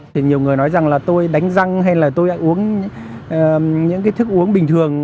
thì nhiều người nói rằng là tôi đánh răng hay là tôi đã uống những cái thức uống bình thường